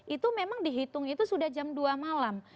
itu memang dihitung itu sudah jam dua malam